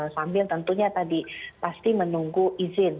sambil tentunya tadi pasti menunggu izin